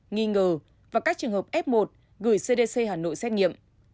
nghi ngờ và các trường hợp f một gửi cdc hà nội xét nghiệm